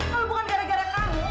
kalau bukan gara gara kamu